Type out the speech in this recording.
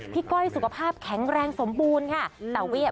ก้อยสุขภาพแข็งแรงสมบูรณ์ค่ะ